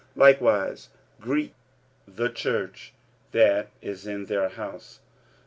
45:016:005 Likewise greet the church that is in their house.